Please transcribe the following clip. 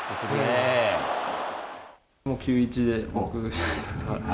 もう９ー１で僕じゃないですか。